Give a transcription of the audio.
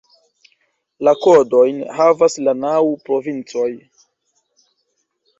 La kodojn havas la naŭ provincoj.